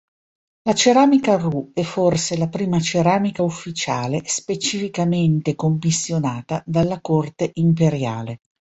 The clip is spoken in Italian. La ceramica Ru è forse la prima "ceramica ufficiale" specificamente commissionata dalla corte imperiale.